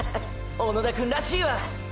小野田くんらしいわ！！